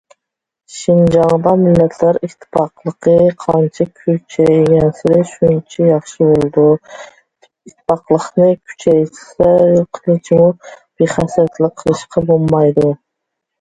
شىنجاڭدا مىللەتلەر ئىتتىپاقلىقى قانچە كۈچەيگەنسېرى شۇنچە ياخشى بولىدۇ، ئىتتىپاقلىقنى كۈچەيتىشتە قىلچىمۇ بىخەستەلىك قىلىشقا بولمايدۇ.